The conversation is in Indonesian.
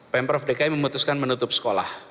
pm prof dki memutuskan menutup sekolah